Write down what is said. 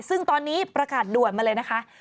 ซึ่งตอนนี้ประกาศด่วนมาเลยนะคะ